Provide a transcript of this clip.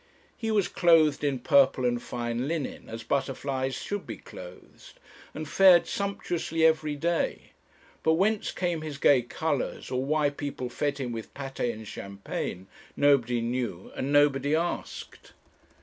He was clothed in purple and fine linen, as butterflies should be clothed, and fared sumptuously everyday; but whence came his gay colours, or why people fed him with pate and champagne, nobody knew and nobody asked.